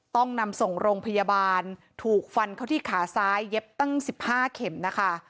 ต้องนำส่งโรงพยาบาลถูกฟันเข้าที่ขาซ้ายเย็บตั้ง๑๕เข็มนะคะ